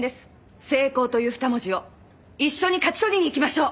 成功という二文字を一緒に勝ち取りにいきましょう！」。